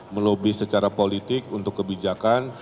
melobi secara politik untuk kebijakan